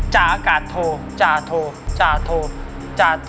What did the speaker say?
จ้าอากาศโทจ้าโทจ้าตรี๋จ้าโท